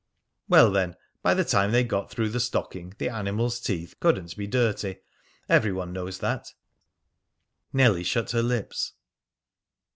"Well, then, by the time they got through the stocking, the animal's teeth couldn't be dirty. Every one knows that." Nellie shut her lips.